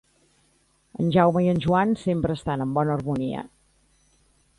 En Jaume i en Joan sempre estan en bona harmonia.